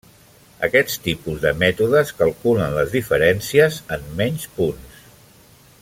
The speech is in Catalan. Aquest tipus de mètodes calculen les diferències en menys punts.